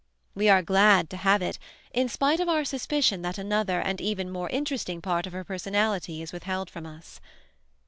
We are glad to have it, in spite of our suspicion that another and even more interesting part of her personality is withheld from us.